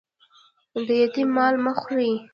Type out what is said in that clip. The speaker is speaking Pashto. د یتیم مال مه خورئ